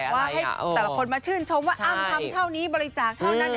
ว่าให้แต่ละคนมาชื่นชมว่าอ้ำทำเท่านี้บริจาคเท่านั้น